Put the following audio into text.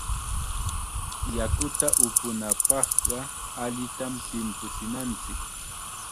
Yakuta upunapaqqa allitam timpuchinanchik.